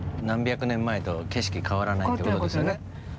何百年前と景色変わらないって事ですよね。